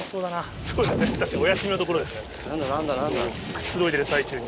くつろいでる最中に。